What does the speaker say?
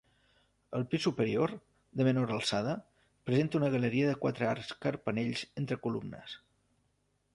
El pis superior, de menor alçada, presenta una galeria de quatre arcs carpanells entre columnes.